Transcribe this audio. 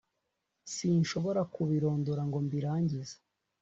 Sinshobora kubirondora ngo mbirangize